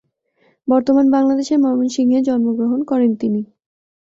বর্তমান বাংলাদেশের ময়মনসিংহে জন্মগ্রহণ করেন তিনি।